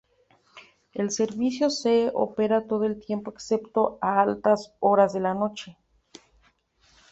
El servicio C opera todo el tiempo excepto a altas horas de la noche.